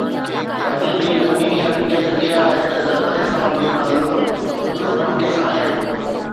اڄ جي زميني حقيقت اها آهي ته زرداري صاحب جو تعلق پيپلز پارٽي سان آهي